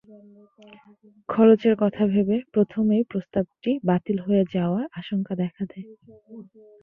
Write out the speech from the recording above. খরচের কথা ভেবে প্রথমেই প্রস্তাবটি বাতিল হয়ে যাওয়ার আশঙ্কা দেখা দেয়।